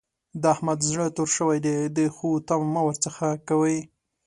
د احمد زړه تور شوی دی؛ د ښو تمه مه ور څځه کوئ.